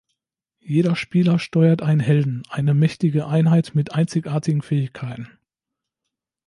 Jeder Spieler steuert einen Helden, eine mächtige Einheit mit einzigartigen Fähigkeiten.